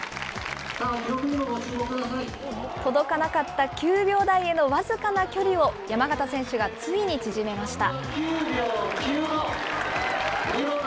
届かなかった９秒台への僅かな距離を山縣選手がついに縮めました。